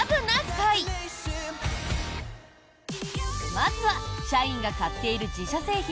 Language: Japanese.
まずは、社員が買っている自社製品